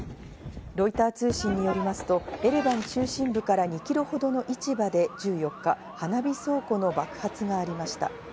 ロイター通信によりますとエレバン中心部から２キロほどの市場で１４日、花火倉庫の爆発がありました。